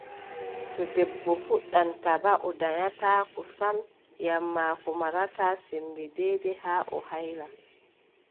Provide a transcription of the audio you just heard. To debbo fooɗan taba, o danyataa sam ngam ƴiiƴam maako marataa semmbe deydey haa o hayla.